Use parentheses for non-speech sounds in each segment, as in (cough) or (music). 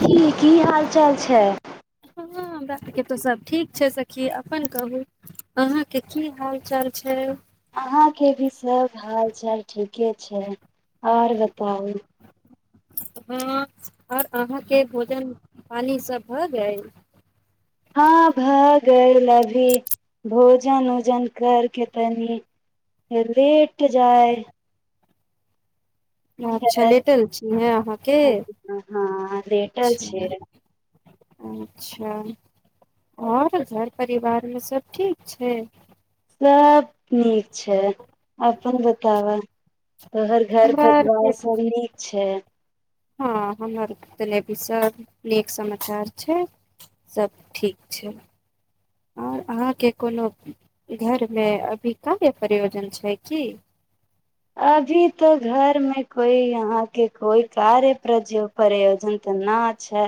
की की हाल चाल छै। हाँ हमरा सबके तो सब ठीक छै, सखी अपन कहु अहाँ के की हाल चाल छै। अहाँ के भी सब हाल चाल ठीके छै और बताउ। हाँ और अहाँ के भोजन पानी सब भऽ गेल। हाँ भऽ गेल अभी भोजन-उजन कर के तनी लेट जाय। अच्छा छै लेटल छीये अहाँके हँ लेटल छै अच्छा। अच्छा और घर परिवार मे सब ठीक छै। सब ठीक छै, अपन बताबा। तोहर घर हमरा परिवार सब नीक छै। हाँ हमर तने भी सब नीक समाचार छै, सब ठीक छै और अहाँके कोनो घरमे अभी कार्य प्रयोजन छै की। अभी तो घर मे कोई यहाँ के कोई कार्य प्रजो प्रयोजन तऽ न छै।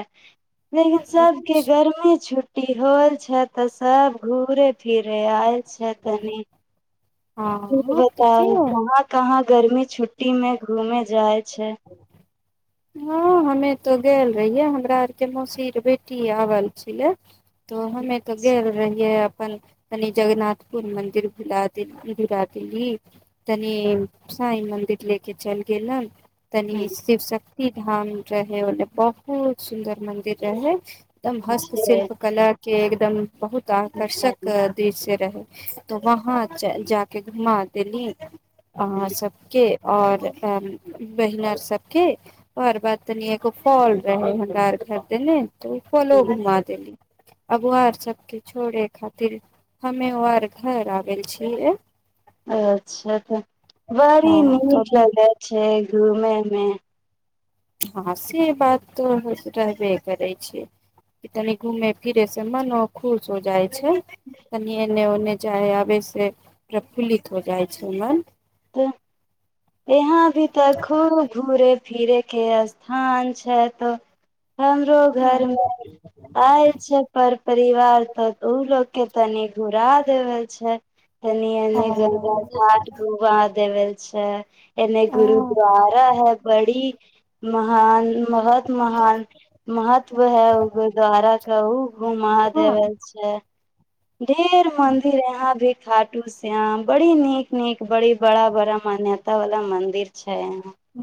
लेकिन सबके अच्छा, गर्मी छु टी होल छै ते सब घूरे फिरे आएल छै तनी। इ हँ तऽ बताउ के कहाँ कहाँ गर्मी छुट्टी में घूमे जाइत छै। हाँ हमे तो गेल रहियै हमरा आरके मौसीर बेटी आबल छिलै। तो हमे तो गेल रहियै अप अपन तनि जगन्नाथपुर मन्दिर धुला देली, घुरा देली, तनी साई मन्दिर लेके चल गेलन। तनी शिव शक ती धाम रहै, उन्ने बहुत सुन्दर मंदिर रहै। दम हस्त छै। शिल्प कलर के एगदम बहुत आकर्षक दृश्य रहै। तो वहाँ च जाके घुमा देली। अहाँ सबके और (unintelligible) बैहनार सबके और बाद तनि एगो फल रहे हुनका आर खरीदेने तो उ फलो घुमा देली। अगुआर सबके छोड़े खातिर हमे आर घर आ गेल छियै। अच्छा ते बड़ी हँ त नीक अभी लगै छै। घूमे मे। हाँ से बात तो रहबे करै छै कि तनी घूमे फिरे से मनो खुश हो जाय छै तनि ओने ओन्ने चाहे आबै से प्रफुल्लित हो जाइ छै मन तऽ यहाँ भी तऽ खूब घूरे- -फिरेके स्थान छै तऽ हमरो घर हँ मे आएल छै पर परिवार तक ओ लोग के तनि घुरा देवै छै एनी ओनी गंगा हँ घाट घूमा देबै अच्छा (unintelligible) एने गुरुद्वारा है बड़ी (unintelligible) महान महत (unintelligible) महान महत्व है गुरद्वारा (unintelligible) कहु ओ हँ महादेवे छै (unintelligible) ढेर मंदिर यहा भी (unintelligible) (unintelligible) खाटू श्याम बड़ी नीक (unintelligible) नीक बड़ी बड़ा बड़ा मान्यता (unintelligible) ओत वला मंदिर छै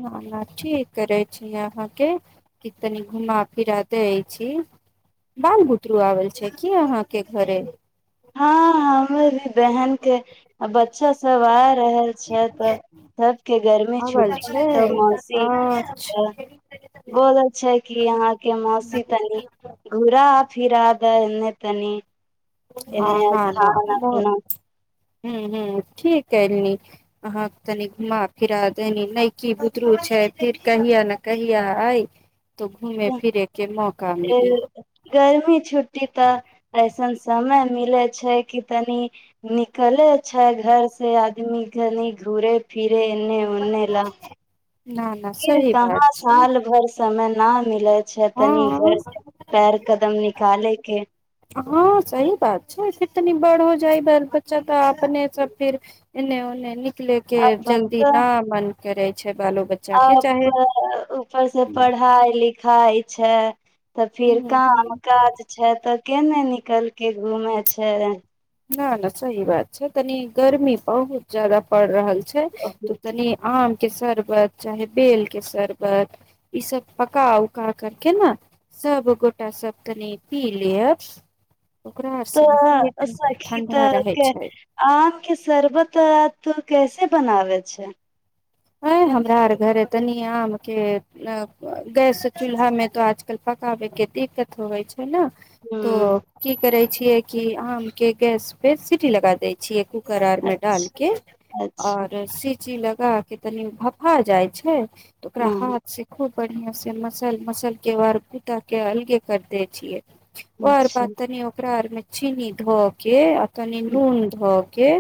हँ ठीक करै छी अहाँके की तनि घुमा फिरा दै छी बाल बुतरू आबल छै की अहाँके घरे हाँ बहन के बच्चा सब आ रहल छै तऽ सब के गर्मी आबल छुट्टी मे छै तऽ मौसी अच्छा बोलल छै कि अहाँके मौसी तनि घुरा फिराध एन्ने तनि हाँ हँ ना हूँ हूँ ठीक एलनी अहाँ तनि घूमा फिरा देलीं नैय की बुतरू छै फिर कहिया ने कहिया अइ गर्मी छुट्टी तऽ ऐसन समय मिले छै की तनि निकलै छै घर से आदमी कनि घूरे फिरे ते एने ओने ला न न फिर सही कहाँ बात छै साल भर समय न मिलैत अच्छा तनी हँ घर से पैर कदम निकालेकै हँ सही बात छै कितनी बड़ हो जाइ बाल बच्चा तऽ अपनेसँ फिर एने ओने निकलै के जल्दी न मन करै छै बालो बच्चा आ के चाहे उपर-उपर से पढ़ाइ लिखाइ छेए तऽ फेर हूँ हूँ काम काज छै तऽ के ने निकलके घूमे छै। न न सही बात छै कनी गर्मी बहुत ज्यादा पड़ रहल छै। छै त तनी आम। के शरबत चाहे बेल के शरबत ई सब पका उका करके नै सब गोटा सब कनि पी लीय। ओकरा सिना पी। तऽ सखी तऽ कै आम के शरबत त त के। कत्ते बनाबइ छैइ। आँ हमरा आर घरे तनि आमके गैस चूल्हामे तऽ आजकल पकाबयके दिक्कत होइत छै। ह ने हूँ तऽ की करै। छीिय की आम के गैस पे सीटी लगा दे छी कु। करार मे अच्छा डालके अच्छा और सीची लग। का। के तनी भफा जाइ छै। तकरा हँ हाथ से खोद। बढ़िया से मसल मसल के बार कूत्ता के अलगे कर दे छियै। ओ आर अच्छा बात तऽ नि होकर आारमे। चिनी धऽके। कनी हूँ नून ध। के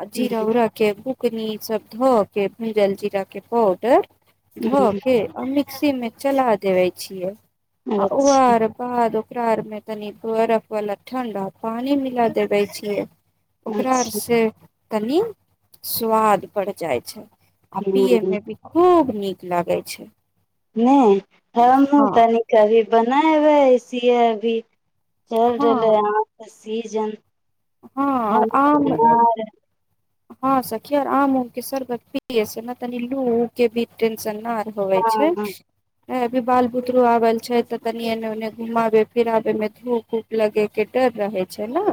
आ जीर उराके। कनी शब् ध हो के हम जल जीरााक पआउडर। ध के अंबी। मिक्सी मैं चला देवय छी यै। हूँ आ ओ अच्छा आर बाद। ककरा आर मे तनी बर्फ वाला ठंडा पानी मिला देबे छियै। ओकरार अच्छा से। तनि स्वाद बढ़ जाइ छै। आ पी हूँ ए मे भी खूब। नीक लागै छै। नय हमूँ हाँ तनी क बनाबै ऐस अभी। चल रहलै हाँ हह। सीजन हाँ और आम हाँ से खैर आम उम के शरबत पियए से न तनी लू उ के भी टेंशन न होबै छै। ए अभी बाल बुतरु आवल छै ते तनी एने उन्ने घुमाबे फिराबे में धूप उप लगे के डर रहे छै ने।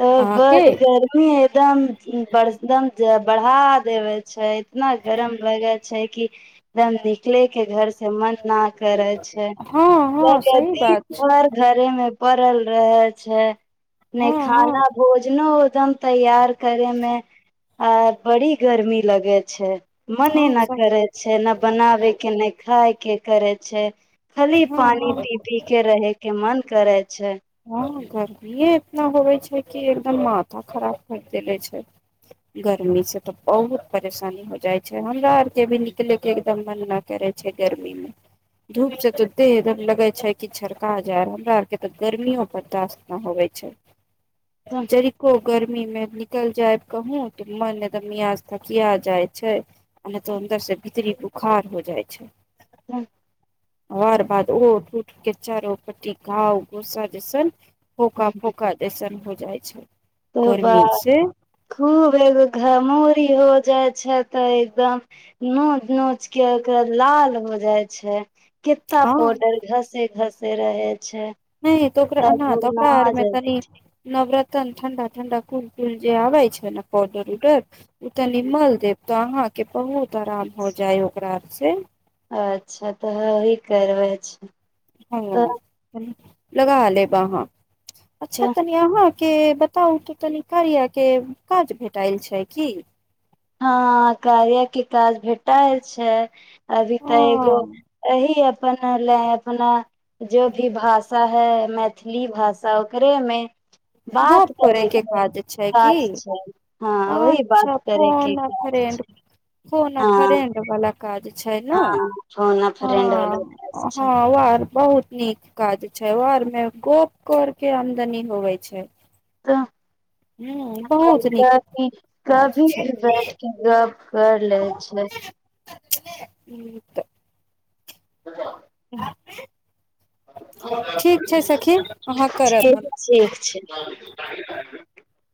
त अहाँके बड गर्मी एगदम उम्म बरदम जे बढ़ा देवे छै। न गरम लगै। छै कि एकदम निकले के घर से मन न करे छै, हँ हँ जाके सही दिन बात छै भर घरे मे पड़ल रहै छै। नै हँ हँ खाना भोजनो एकदम तैयार करे मे आय बड़ी गर्मी लगे मने हँ ने सब करै छै, ने बनाबे के ने खाय के। करै छै। खली हँ पानी पी पी के रहै के मन करै हाँ। गर्मीये इतना होबे छै कि एगदम माथा खराब कर देले छै, गर्मी से ते बहुत परेशानी हो जाय छै, हमरा आरके भी निकलेके एगदम मन न करै छै गर्मीमे, धूप से तऽ देह लगै छै कि झड़का जाय रहल, हमरा आरके ते गर्मियों बर्दाश्त न होबै छै। त जरी को गर्मी मे नि कल जाएब कहुं तऽ मन ने ते मियाज थकिया जाय छै। अऽ ने ते अन्दर से भीतरी बुखार होय जाय छै। हुं। और बाद उहो ठूठ के चारो पट्टी (unintelligible) कोसा जैसन फोका फोका (unintelligible) जैसन हो जाइ छै बा गर्मी से खूब एगो घमोरी हो जाय छै ते एगदम नोच नोच के ओकरा लाल हो जाय छै। किता हँ पाउडर घसे घस से रहै छै। ने ते ओकरा तब एना हम त ओकरा ना आरमे जल्दी तनी नवरत कन ठंडा ठंडा कुल कुल जे आबै छै ने। पौडर उडर उ तनि मल देब। तऽ अहाँके बहुत तऽ आराम हो जाइ ओकरा से अच्छा तऽ ह वही करबै छी हँ लगा लेब अहाँ अच्छा तऽ तनि अहाँ के बताउ तऽ तनी कार्या के काज भेटायल छै की हँ कार्याके काज भेटायल छै अभी तऽ एगो हँ अहिं अपन ले अपना जो भी भाषा है मैथिली भाषा ओकरेमे बात गप करे करने के ओहि मे काज छै की टास्क छै हँ वही अच्छा बात करय फोन आ फ्रेंड फोन आ फ्रेंड बला काज छै ने हँ फोन अ फ्रेंड हँ वाला काज छै हँ उ आर बहुत नीक काज छै ओ आर मे गोप कर के आमदनी होवै छै तऽ ह अपन बहुत नीक कभी काज कभी छै भी बैठ के गप कर ले छै ई तऽ (unintelligible) (unintelligible) छै ठीक सखी अहाँ करब हम ठीक छै